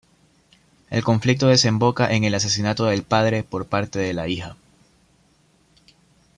El conflicto desemboca en el asesinato del padre por parte de la hija.